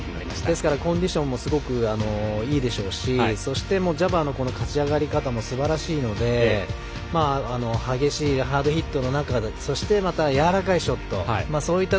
ですからコンディションもすごくいいでしょうしジャバーの勝ち上がり方もすばらしいので激しいハードヒットの中でそして、やわらかいショット。